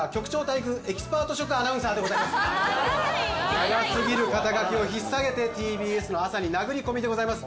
長すぎる肩書をひっさげてＴＢＳの朝に殴り込みでございます